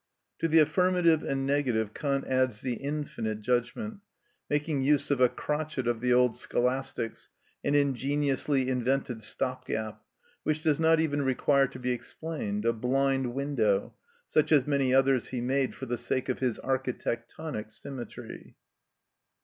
To the affirmative and negative Kant adds the infinite judgment, making use of a crotchet of the old scholastics, an ingeniously invented stop gap, which does not even require to be explained, a blind window, such as many others he made for the sake of his architectonic symmetry.